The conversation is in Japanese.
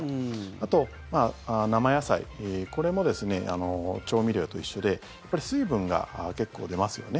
あと、生野菜これも調味料と一緒で水分が結構出ますよね。